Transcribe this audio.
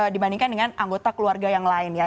dibandingkan dengan anggota keluarga yang lain ya